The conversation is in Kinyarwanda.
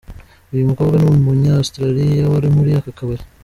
Uyu mukobwa ni umunya Austraria wari muri aka kabari.